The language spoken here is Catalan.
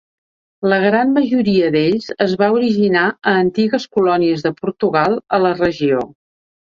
La gran majoria d'ells es va originar a antigues colònies de Portugal a la regió.